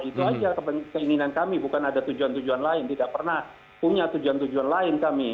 itu aja keinginan kami bukan ada tujuan tujuan lain tidak pernah punya tujuan tujuan lain kami